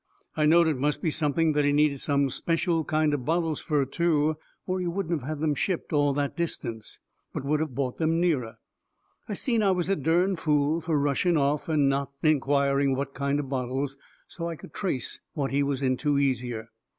I knowed it must be something that he needed some special kind of bottles fur, too, or he wouldn't of had them shipped all that distance, but would of bought them nearer. I seen I was a dern fool fur rushing off and not inquiring what kind of bottles, so I could trace what he was into easier.